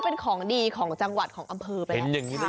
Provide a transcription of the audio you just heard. เป็นคนก็กินทุกอย่างได้